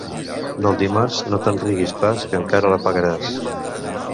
Del dimarts no te'n riguis pas, que encara la pagaràs.